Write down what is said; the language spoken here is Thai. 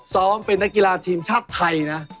ซ้อมเป็นนักกีฬาทีมชาติไทยนะ